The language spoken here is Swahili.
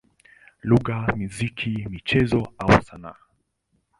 lugha, muziki, michezo au sanaa.